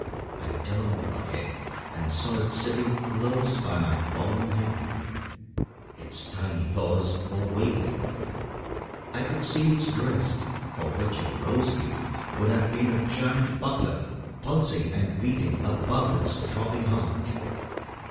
I turned my head and saw it sitting close by my fallen hand. Its tiny paws were waving. I could see its breast, for which a rose leaf would have been a giant buckler, pulsing and beating above its throbbing heart.